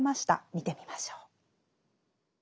見てみましょう。